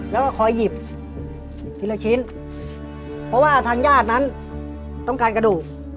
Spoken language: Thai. แล้วก็คอยหยิบทีละชิ้นเพราะว่าทางญาตินั้นต้องการกระดูก